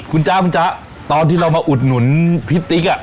คุณจ๊ะคุณจ๊ะตอนที่เรามาอุดหนุนพี่ติ๊ก